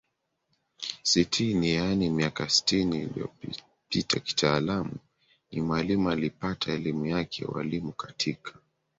sitini yaani miaka sitini iliyopitaKitaaluma ni Mwalimu aliyepata elimu yake ya Ualimu katika